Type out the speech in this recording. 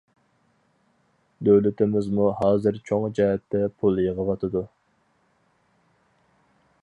دۆلىتىمىزمۇ ھازىر چوڭ جەھەتتە پۇل يىغىۋاتىدۇ.